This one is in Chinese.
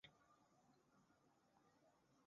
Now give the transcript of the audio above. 行政中心位于阿姆施泰滕。